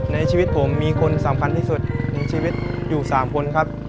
ชีวิตผมมีคนสำคัญที่สุดมีชีวิตอยู่๓คนครับ